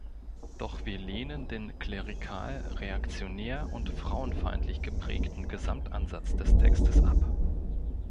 Doch wir lehnen den klerikal, reaktionär und frauenfeindlich geprägten Gesamtansatz des Textes ab.